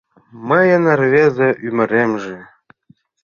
Мыйын рвезе ӱмыремже